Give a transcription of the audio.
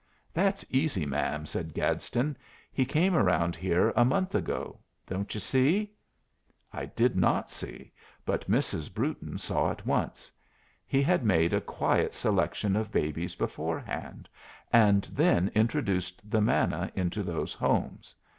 "That's easy, ma'am," said Gadsden; "he came around here a month ago. Don't you see?" I did not see, but Mrs. Brewton saw at once. He had made a quiet selection of babies beforehand, and then introduced the manna into those homes.